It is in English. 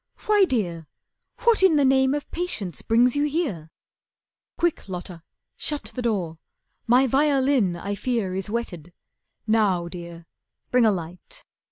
"Why, Dear, What in the name of patience brings you here? Quick, Lotta, shut the door, my violin I fear is wetted. Now, Dear, bring a light.